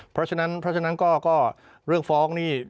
เพราะฉะนั้นก็ก็เรื่องฟ้องนี่